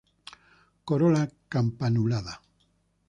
Corola campanulada.